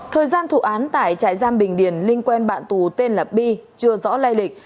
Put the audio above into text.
thời gian thủ án tại trại giam bình điển linh quen bạn tù tên là bi chưa rõ lây lịch